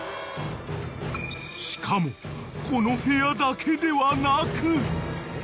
［しかもこの部屋だけではなく］